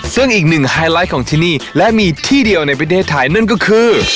ซึ่งอีกหนึ่งไฮไลท์ของที่นี่และมีที่เดียวในประเทศไทยนั่นก็คือ